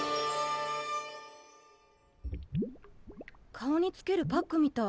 顔につけるパックみたい。